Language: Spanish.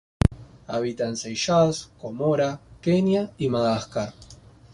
Habita en Seychelles, Comoras, Kenia y Madagascar.